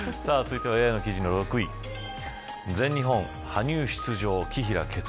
続いてはＡＩの記事の６位全日本、羽生出場